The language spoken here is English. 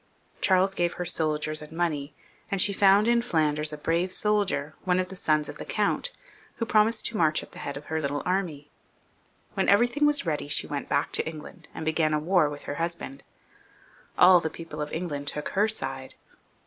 Charles gave her soldiers and money, and she found in Flanders a brave soldier, one of the sons of the Count, who promised to march at the head of her little army. When everything was ready she went back to England and began a war with her husband. AU the people of England took her side.